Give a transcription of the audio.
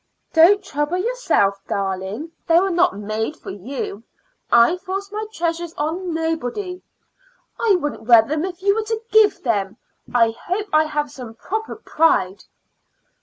"Don't trouble yourself, darling; they were not made for you. I force my treasures on nobody." "I wouldn't wear them if you were to give them. I hope I have some proper pride."